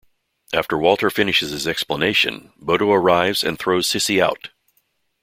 After Walter finishes his explanation, Bodo arrives and throws Sissi out.